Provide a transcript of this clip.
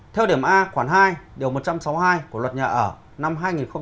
theo điểm a khoản hai một trăm sáu mươi hai của luật nhà ở năm hai nghìn một mươi bốn